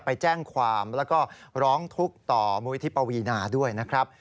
ไปแจ้งความแล้วก็ร้องทุกข์ต่อมูลิธิปวีนาด้วยนะครับ